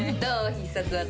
必殺技。